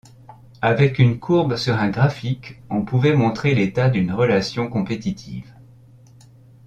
Avec une courbe sur un graphique, on pouvait montrer l'état d'une relation compétitive.